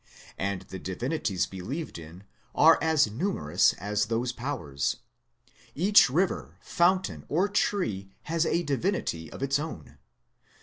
And the divinities believed in are as numerous as those powers. Each river, fountain or tree has a divinity of its own.